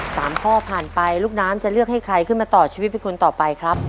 สามข้อผ่านไปลูกน้ำจะเลือกให้ใครขึ้นมาต่อชีวิตเป็นคนต่อไปครับ